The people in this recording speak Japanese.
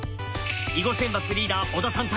囲碁選抜リーダー小田さん